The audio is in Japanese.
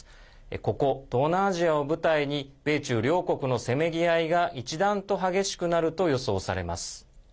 ここ、東南アジアを舞台に米中両国のせめぎ合いが一段と激しくなると予想されます。